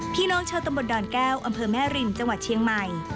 พี่น้องชาวตำบลดอนแก้วอำเภอแม่ริมจังหวัดเชียงใหม่